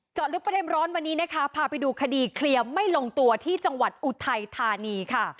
ลึกประเด็นร้อนวันนี้นะคะพาไปดูคดีเคลียร์ไม่ลงตัวที่จังหวัดอุทัยธานีค่ะ